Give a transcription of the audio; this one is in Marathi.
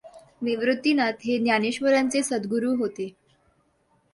निवृत्तीनाथ हेच ज्ञानेश्वरांचे सद्गुरू होते.